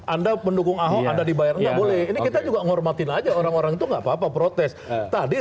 anda pendukung ahok anda dibayar ya boleh kita juga ngormatin aja orang orang itu nggak papa protes tadi